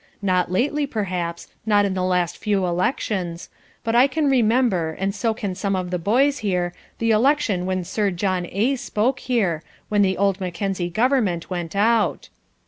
Not lately, perhaps; not in the last few elections. But I can remember, and so can some of the boys here, the election when Sir John A. spoke here, when the old Mackenzie government went out."